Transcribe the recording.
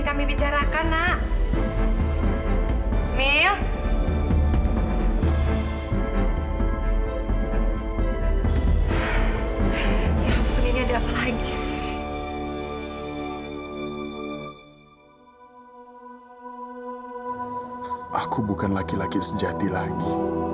aku bukan laki laki sejati lagi